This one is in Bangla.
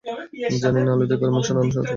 জেনে নিন আলু দিয়ে গরুর মাংস রান্নার সহজ রেসিপি।